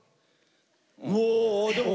おでも。